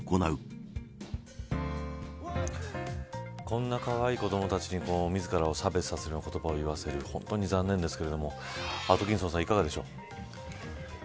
こんなかわいい子どもたちにも自らを差別させるような言葉を言わせる本当に残念ですがアトキンソンさんいかがでしょうか。